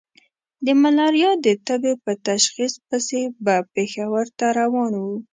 د ملاريا د تبې په تشخيص پسې به پېښور ته روان وو.